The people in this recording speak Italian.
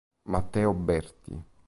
Matteo Berti